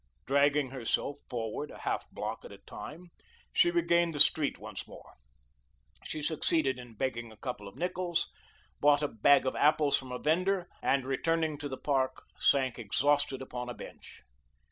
Dragging herself forward a half block at a time, she regained the street once more. She succeeded in begging a couple of nickels, bought a bag of apples from a vender, and, returning to the park, sank exhausted upon a bench.